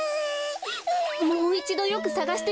もういちどよくさがしてみましょう。